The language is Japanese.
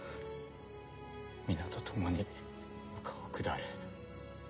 皆と共に丘を下れ。